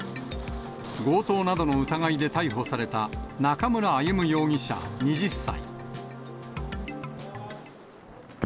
強盗などの疑いで逮捕された、中村歩武容疑者２０歳。